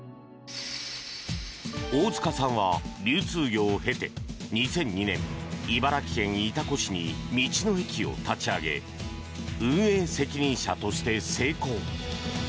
大塚さんは流通業を経て２００２年、茨城県潮来市に道の駅を立ち上げ運営責任者として成功。